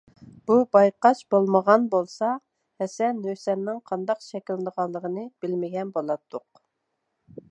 بۇ بايقاش بولمىغان بولسا، ھەسەن - ھۈسەننىڭ قانداق شەكىللىنىدىغانلىقىنى بىلمىگەن بولاتتۇق.